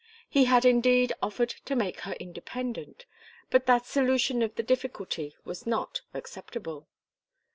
He had indeed offered to make her independent, but that solution of the difficulty was not acceptable.